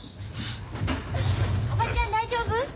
叔母ちゃん大丈夫？